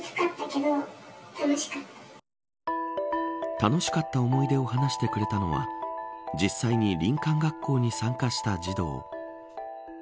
楽しかった思い出を話してくれたのは実際に林間学校に参加した児童。